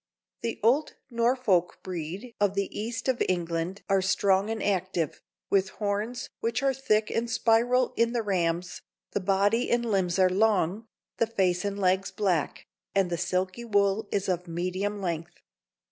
The old Norfolk breed of the east of England are strong and active, with horns, which are thick and spiral in the rams; the body and limbs are long, the face and legs black, and the silky wool is of medium length.